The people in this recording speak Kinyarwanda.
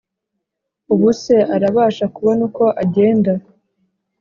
ubuse urabasha kubona uko ugenda